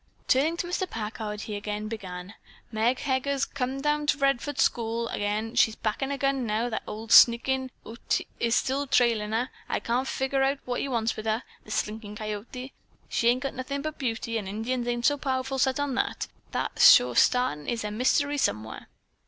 Turning to Mr. Packard, he began again: "Meg Heger's took to comin' down to Redfords school ag'in. She's packin' a gun now. That ol' sneakin' Ute is still trailin' her. I can't figger out what he wants wi' her. The slinkin' coyote! She ain't got nothin' but beauty, and Indians ain't so powerful set on that. Thar sure sartin is a mystery somewhere."